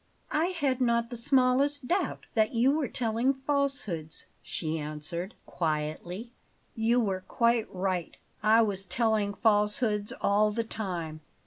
"I had not the smallest doubt that you were telling falsehoods," she answered quietly. "You were quite right. I was telling falsehoods all the time."